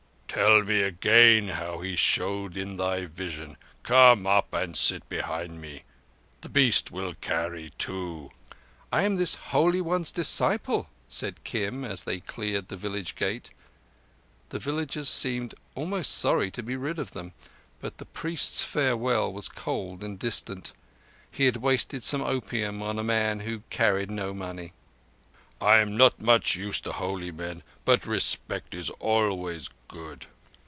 "Tell me again how He showed in thy vision. Come up and sit behind me. The beast will carry two." "I am this Holy One's disciple," said Kim, as they cleared the village gate. The villagers seemed almost sorry to be rid of them, but the priest's farewell was cold and distant. He had wasted some opium on a man who carried no money. "That is well spoken. I am not much used to holy men, but respect is always good.